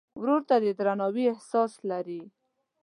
ورور ته د درناوي احساس لرې.